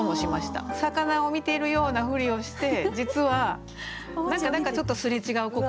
魚を見ているようなふりをして実は何かちょっとすれ違う心。